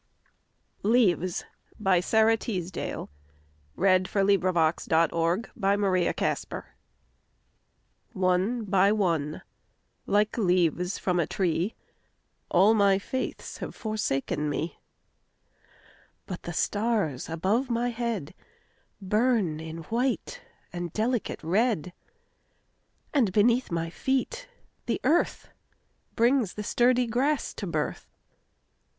Leaves By Sara Teasdale ONE by one, like leaves from a tree, All my faiths have forsaken me; But the stars above my headBurn in white and delicate red, And beneath my feet the earthBrings the sturdy grass to birth.